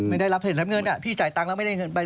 ไม่ได้รับเหตุรับเงินพี่จ่ายตังค์แล้วไม่ได้เงินไป